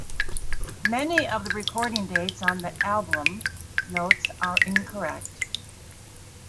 Many of the recording dates on the album notes are incorrect.